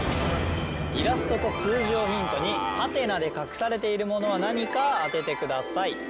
イラストと数字をヒントにハテナで隠されているものは何か当ててください。